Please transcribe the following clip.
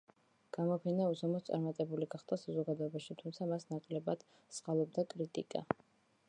გამოფენა უზომოდ წარმატებული გახდა საზოგადოებაში, თუმცა მას ნაკლებად სწყალობდა კრიტიკა.